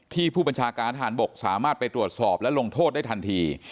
ผู้บัญชาการทหารบกสามารถไปตรวจสอบและลงโทษได้ทันที